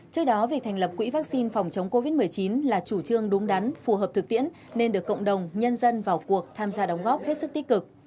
trước đó việc thành lập quỹ vaccine phòng chống covid một mươi chín là chủ trương đúng đắn phù hợp thực tiễn nên được cộng đồng nhân dân vào cuộc tham gia đóng góp hết sức tích cực